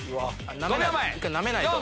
１回なめないと。